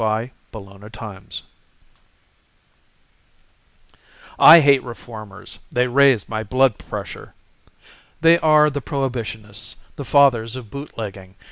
] DOROTHY PARKER I hate Reformers; They raise my blood pressure. There are the Prohibitionists; The Fathers of Bootlegging.